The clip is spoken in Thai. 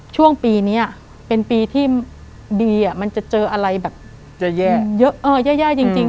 ช่วงปีเนี้ยเป็นปีที่บีอะมันจะเจออะไรแบบจะแย่เยอะเออแย่แย่จริงจริง